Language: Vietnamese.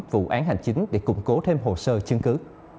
vụ án hành chính để củng cố thêm hồ sơ chứng cứ